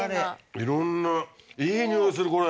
いろんないい匂いするこれ。